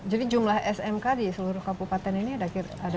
jadi jumlah smk di seluruh kabupaten ini ada berapa